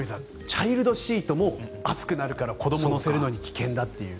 チャイルドシートも熱くなるから子どもを乗せるのに危険だという。